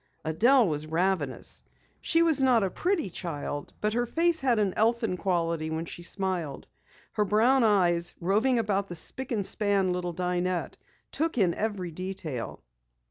Adelle was ravenous. She was not a pretty child, but her face had an elfin quality when she smiled. Her brown eyes, roving about the spick and span little dinette, took in every detail.